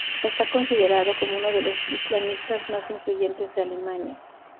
Está considerado como uno de los islamistas más influyentes de Alemania.